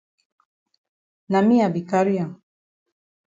Na me I be carry am.